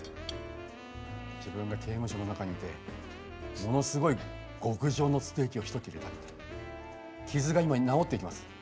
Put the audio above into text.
自分が刑務所の中にいてものすごい極上のステーキをひと切れ食べて傷が今に治っていきます。